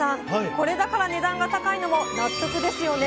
これだから値段が高いのも納得ですよね？